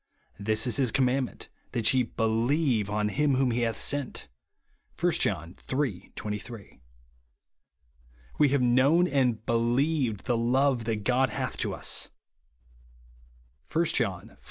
"This is his commandment, that ye believe on him whom he hath sent," (1 John iii. 23). "We have known and believed the love that God hath to us," (1 John iv.